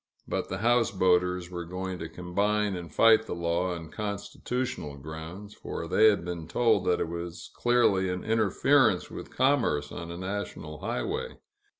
But the houseboaters were going to combine and fight the law on constitutional grounds, for they had been told that it was clearly an interference with commerce on a national highway.